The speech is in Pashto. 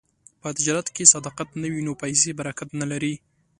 په تجارت کې که صداقت نه وي، نو پیسې برکت نه لري.